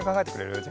じゃあ。